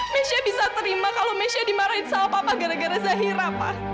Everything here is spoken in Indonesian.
mechha bisa terima kalau mesha dimarahin sama papa gara gara zahira pak